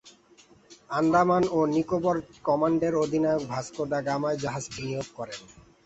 আন্দামান ও নিকোবর কমান্ডের সর্বাধিনায়ক ভাস্কো দা গামায় জাহাজটি নিয়োগ করেন।